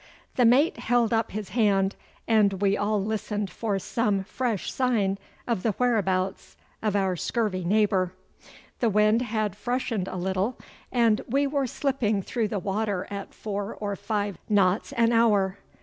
The mate held up his hand, and we all listened for some fresh sign of the whereabouts of our scurvy neighbour. The wind had freshened a little, and we were slipping through the water at four or five knots an hour.